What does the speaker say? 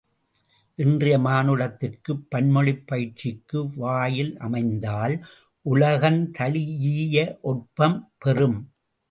இன்றைய மானுடத்திற்குப் பன்மொழிப் பயிற்சிக்கு வாயில் அமைந்தால் உலகந்தழீஇய ஒட்பம் பெறும்!